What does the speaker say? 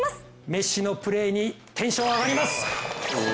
メッシのプレーにテンション上がります！